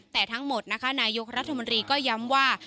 แต่ทั้งหมดนะคะนายกรัฐมนตรีก็ย้ำว่า